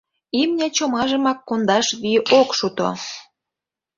— Имне-чомажымак кондаш вий ок шуто.